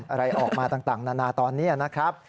อะไรออกมาต่างนานาตอนนี้นะครับ